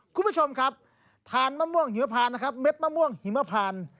คุณผู้ชมครับทานมะม่วงหิวพานนะครับเด็ดมะม่วงหิมพาน